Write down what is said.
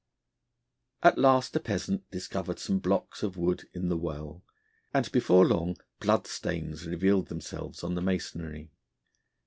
At last a peasant discovered some blocks of wood in the well, and before long blood stains revealed themselves on the masonry.